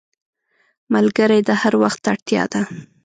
ملګری د هر وخت اړتیا ده